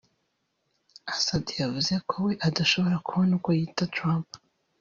Assad yavuze ko we adashobora kubona uko yita Trump